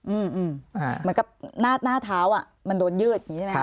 เหมือนกับหน้าเท้าอ่ะมันโดนยืดอย่างนี้ใช่ไหมครับ